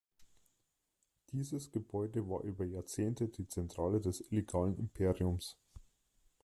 Dieses Gebäude war über Jahrzehnte die Zentrale des illegalen Imperiums.